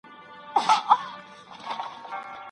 مستري په اوږه باندي ګڼ توکي نه راوړي.